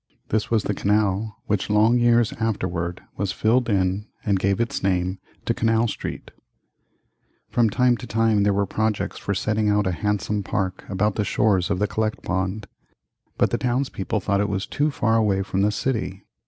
This was the canal which long years afterward was filled in and gave its name to Canal Street. [Illustration: The Collect Pond.] From time to time there were projects for setting out a handsome park about the shores of the Collect Pond, but the townspeople thought it was too far away from the city.